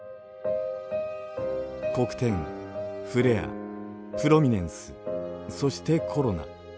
黒点フレアプロミネンスそしてコロナ。